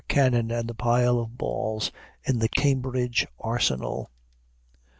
cannon and the pile of balls in the Cambridge Arsenal.